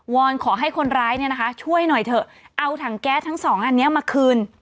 อนขอให้คนร้ายเนี่ยนะคะช่วยหน่อยเถอะเอาถังแก๊สทั้งสองอันนี้มาคืน